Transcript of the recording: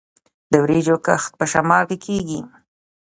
د وریجو کښت په شمال کې کیږي.